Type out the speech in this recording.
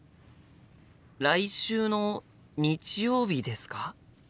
来週の日曜日ですか？